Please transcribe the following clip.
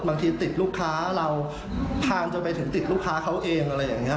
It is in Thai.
ติดลูกค้าเราทานจนไปถึงติดลูกค้าเขาเองอะไรอย่างนี้